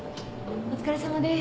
お疲れさまです。